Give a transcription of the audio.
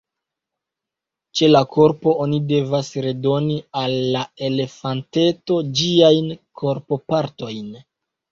Ĉe la korpo oni devas redoni al la elefanteto ĝiajn korpopartojn.